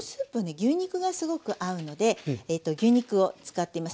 牛肉がすごく合うので牛肉を使っています。